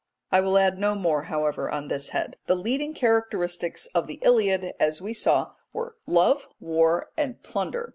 I will add no more however on this head. The leading characteristics of the Iliad, as we saw, were love, war, and plunder.